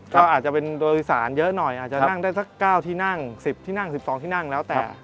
ก็อาจจะเป็นโดยสารเยอะหน่อยอาจจะนั่งได้สัก๙ที่นั่ง๑๐ที่นั่ง๑๒ที่นั่งแล้วแต่